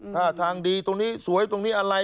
ท่าทางดีตรงนี้สวยตรงนี้อะไร